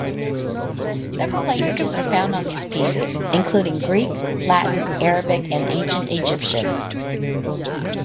Several languages are found on these pieces, including Greek, Latin, Arabic, and ancient Egyptian.